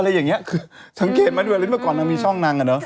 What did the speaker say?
อะไรอย่างงี้สังเกตมาด้วยเมื่อก่อนมันมีช่องนางอ่ะเนอะ